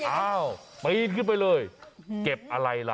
อ้าวปีนขึ้นไปเลยเก็บอะไรล่ะ